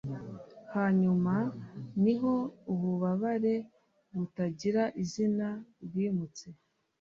Hanyuma niho ububabare butagira izina bwimutse